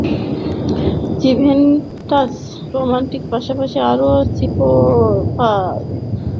Juventus, রোমার পাশাপাশি আবারও শিরোপা জয়ের স্বপ্ন তাই দেখতেই পারে দুই মিলান।